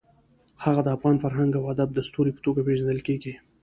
هغه د افغان فرهنګ او ادب د ستوري په توګه پېژندل کېږي.